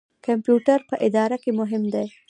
کمپیوټر په اداره کې مهم دی